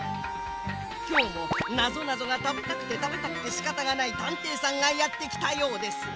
きょうもなぞなぞがたべたくてたべたくてしかたがないたんていさんがやってきたようです。